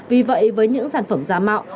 vì vậy với những sản phẩm giả mạo